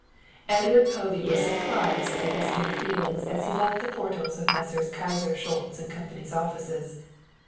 Edward Povey was surprised at his inner feelings as he left the portals of Messrs. Kyser, Schultz & Company's offices.